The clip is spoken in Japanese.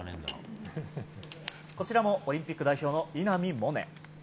こちらもオリンピック代表の稲見萌寧。